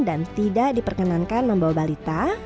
dan tidak diperkenankan membawa balita